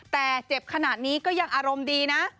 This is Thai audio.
แต่เจ็บขนาดนี้ก็ยังอารมณ์ดีนะ